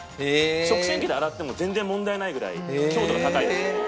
食洗機で洗っても全然問題ないぐらい強度が高いです。